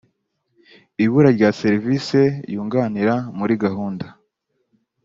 ibura rya serivise yunganira muri gahunda